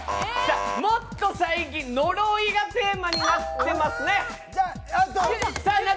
もっと最近、のろいがテーマになっていますね。